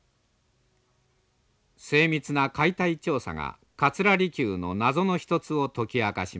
精密な解体調査が桂離宮の謎の一つを解き明かしました。